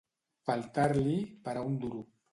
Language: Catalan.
Faltar-li ... per a un duro.